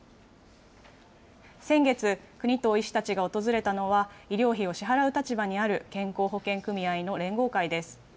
先月、國頭医師たちが訪れたのは、医療費を支払う立場にある健康保険組合の連合会です。